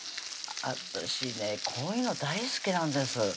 私ねこういうの大好きなんです